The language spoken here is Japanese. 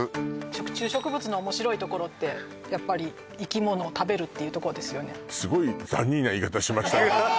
食虫植物の面白いところってやっぱり生き物を食べるっていうとこですよねえー！